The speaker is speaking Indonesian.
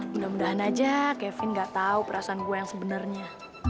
mudah mudahan aja kevin nggak tau perasaan gue yang sebenernya